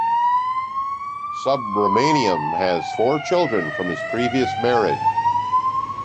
Subramaniam has four children from his previous marriage.